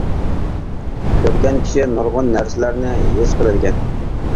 كۆرگەن كىشى نۇرغۇن نەرسىلەرنى ھېس قىلىدىكەن.